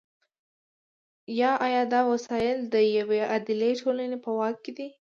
یا آیا دا وسایل د یوې عادلې ټولنې په واک کې دي؟